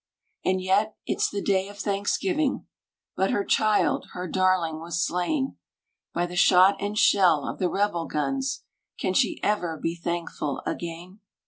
And yet, it's the day of Thanksgiving But her child, her darling was slain By the shot and shell of the rebel guns Can she ever be thankful again?